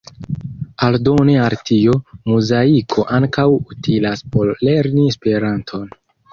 Aldone al tio, Muzaiko ankaŭ utilas por lerni Esperanton.